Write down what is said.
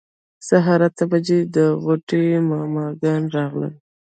سهار اته بجې د غوټۍ ماما ګان راغلل.